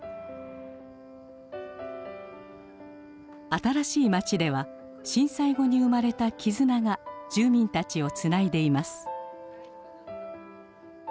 新しい町では震災後に生まれた絆が住民たちをつないでいます。